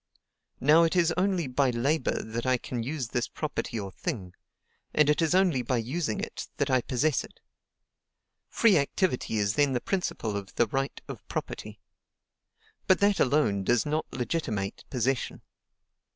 Now it is only by labor that I can use this property or thing, and it is only by using it that I possess it. Free activity is then the principle of the right of property. But that alone does not legitimate possession.